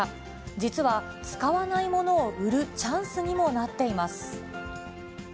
実は、使わないものを売るチャンスにもなっています。